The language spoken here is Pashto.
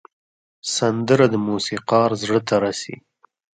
سندره د موسیقار زړه ته رسي